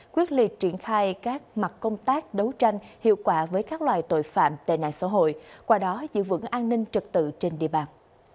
quyết liệt triển khai các mặt công tác đấu tranh hiệu quả với các loài tội phạm tệ nạn xã hội qua đó giữ vững an ninh trật tự trên địa bàn